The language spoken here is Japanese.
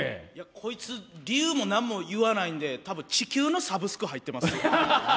こいつ、理由も何も言わないんで、多分、地球のサブスク入ってます。